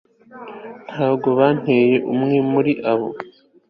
Ntabwo bantaye umwe muri bo